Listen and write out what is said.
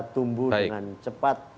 tumbuh dengan cepat